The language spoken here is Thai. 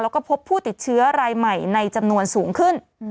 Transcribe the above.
แล้วก็พบผู้ติดเชื้อรายใหม่ในจำนวนสูงขึ้น